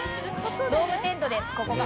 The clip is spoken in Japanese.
◆ドームテントです、ここが。